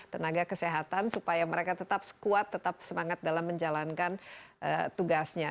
tenaga kesehatan supaya mereka tetap sekuat tetap semangat dalam menjalankan tugasnya